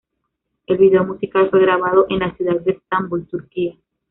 El video musical fue grabado en la ciudad de Estambul, Turquía.